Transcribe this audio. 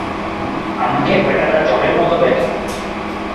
আমাকে বেটারা যমের মত দেখে।